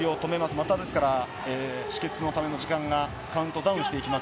また止血のための時間がカウントダウンしてきます。